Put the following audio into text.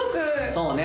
そうね。